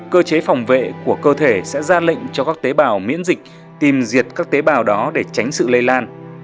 cơ chế phòng vệ của cơ thể sẽ ra lệnh cho các tế bào miễn dịch tìm diệt các tế bào đó để tránh sự lây lan